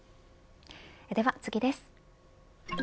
では次です。